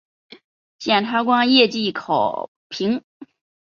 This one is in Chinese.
检察官业绩考评